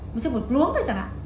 mình trồng một luống thôi chẳng hạn